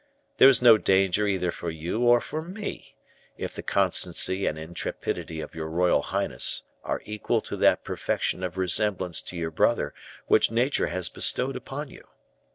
There is no danger either for you or for me, if the constancy and intrepidity of your royal highness are equal to that perfection of resemblance to your brother which nature has bestowed upon you.